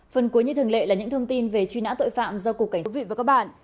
phần cuối như thường lệ là những thông tin về truy nã tội phạm do cục cảnh sát